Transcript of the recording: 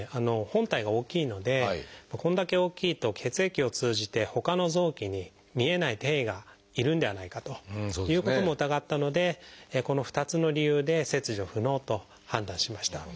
本体が大きいのでこれだけ大きいと血液を通じてほかの臓器に見えない転移がいるんではないかということも疑ったのでこの２つの理由で切除不能と判断しました。